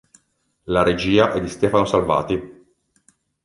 La regia è di Stefano Salvati.